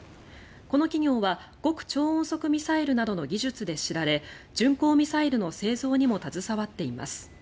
この企業は極超音速ミサイルなどの技術で知られ巡航ミサイルの製造にも携わっています。